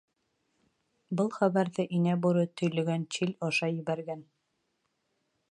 — Был хәбәрҙе Инә Бүре төйлөгән Чиль аша ебәргән.